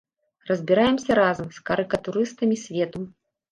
Разбіраемся разам з карыкатурыстамі свету.